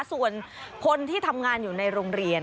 ส่วนคนที่ทำงานอยู่ในโรงเรียน